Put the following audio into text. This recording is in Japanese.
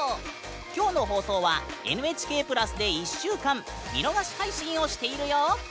きょうの放送はＮＨＫプラスで１週間見逃し配信をしているよ。